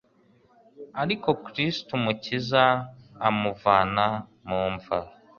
ariko Kristo Umukiza amuvana mu mva'.